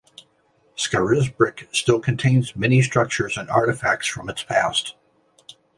Scarisbrick still contains many structures and artefacts from its past.